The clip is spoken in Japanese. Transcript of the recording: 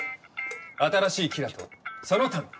新しいキラとその他の。